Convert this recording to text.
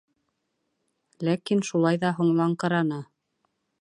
Ләкин шулай ҙа һуңлаңҡыраны.